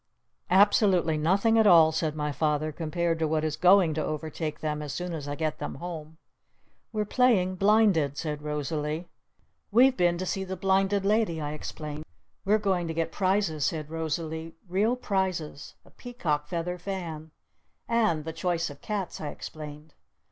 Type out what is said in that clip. "Absolutely nothing at all," said my Father, "compared to what is going to overtake them as soon as I get them home!" "We're playing blinded," said Rosalee. "We've been to see the Blinded Lady!" I explained. "We're going to get prizes," said Rosalee. "Real prizes! A Peacock Feather Fan!" "And the Choice of Cats!" I explained.